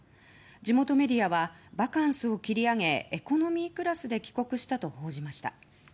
地元メディアはバカンスを切り上げエコノミークラスで帰国したと報じました。